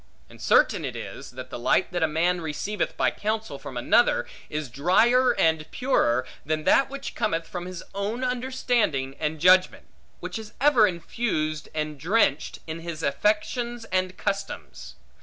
And certain it is, that the light that a man receiveth by counsel from another, is drier and purer, than that which cometh from his own understanding and judgment; which is ever infused, and drenched, in his affections and customs.